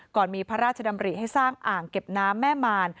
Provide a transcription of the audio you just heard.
ก่อนมีพระราชดำริให้สร้างอ่างเก็บน้ำแม่มาร